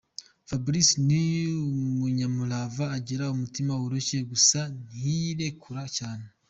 Fabrice ni umunyamurava, agira umutima woroshye gusa ntiyirekura cyane.